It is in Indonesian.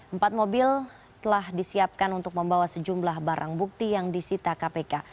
empat mobil telah disiapkan untuk membawa sejumlah barang bukti yang disita kpk